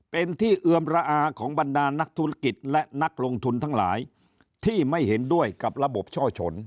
เป็นที่เอือมระอาของบรรดานักธุรกิจและนักลงทุนทั้งหลายที่ไม่เห็นด้วยกับระบบช่อชน